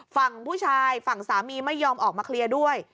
ฝั่งผู้ชายฝั่งสามีไม่ยอมออกมาเคลียร์ด้วย